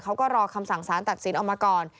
เขาก็รอคำสั่งสารตัดสินออกมาก่อน